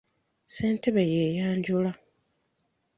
Ssentebe yeyanjula.